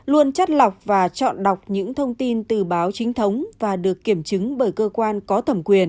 luôn chắt lọc và chọn đọc những thông tin từ báo chính thống và được kiểm chứng bởi cơ quan có thẩm quyền